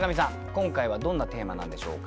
今回はどんなテーマなんでしょうか？